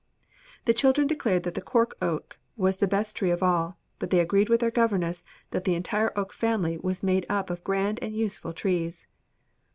'" The children declared that the cork oak was the best tree of all, but they agreed with their governess that the entire oak family was made up of grand and useful trees.